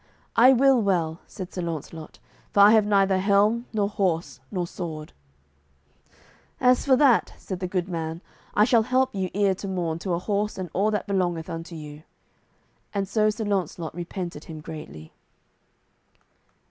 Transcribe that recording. "I will well," said Sir Launcelot, "for I have neither helm, nor horse, nor sword." "As for that," said the good man, "I shall help you ere to morn to a horse and all that belongeth unto you." And so Sir Launcelot repented him greatly.